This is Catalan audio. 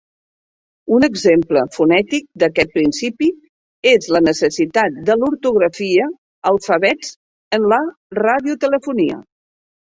Un exemple fonètic d'aquest principi és la necessitat de l'ortografia alfabets en la radiotelefonia.